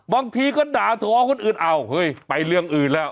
บางทีก็ด่าท้อคนอื่นเอาเฮ้ยไปเรื่องอื่นแล้ว